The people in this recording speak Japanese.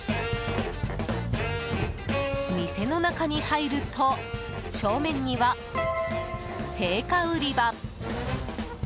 店の中に入ると正面には、青果売り場。